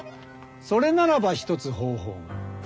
それならば「ひとつ」方法が。